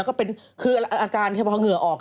อ่ะก็เป็นคืออาการเยอะออก